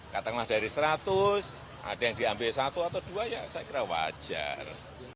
katakanlah dari seratus ada yang diambil satu atau dua ya saya kira wajar